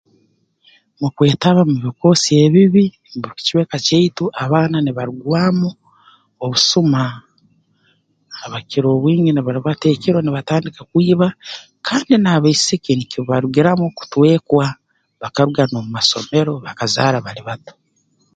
Mu kwetaba mu bikoosi ebibi mu kicweka kyaitu abaana nibarugwamu obusuma abakukira obwingi nibarubata ekiro nibatandika kwiba kandi n'abaisiki nikibarugiramu kutwekwa bakaruga n'omu masomero bakazaara bali bato